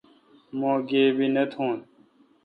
مہ گیبی نہ تھون۔